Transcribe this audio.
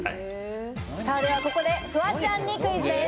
ではフワちゃんにクイズです。